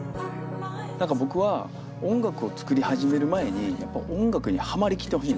何か僕は音楽を作り始める前に音楽にハマりきってほしいんですよ。